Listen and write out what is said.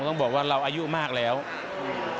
เราต้องบอกว่าเราอายุมากแล้วครับ